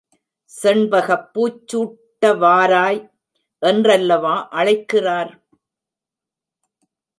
செண்பகப் பூச் சூட்டவாராய் என்றல்லவா அழைக்கிறார்.